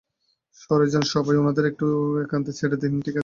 সরে যান, সবাই, ওনাদের একটু একান্তে ছেড়ে দিন, ঠিক আছে?